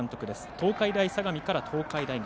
東海大相模から、東海大学。